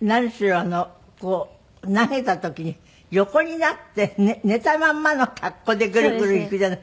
何しろ投げた時に横になって寝たまんまの格好でグルグルいくじゃない。